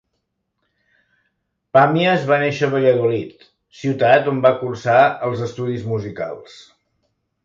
Pàmies va néixer a Valladolid, ciutat on va cursar els estudis musicals.